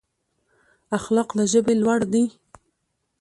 اخلاق له ژبې لوړ دي.